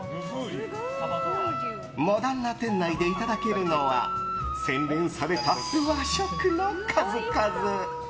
モダンな店内でいただけるのは洗練された和食の数々。